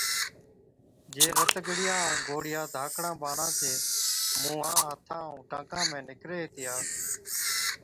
جي رت ڳڙِيا ائُون گوڙهِيا ڌاڪڙان ٻاڙان چي مُونهان، هٿان ائُون ٽانڪان ۾ نِڪري هِتِيا۔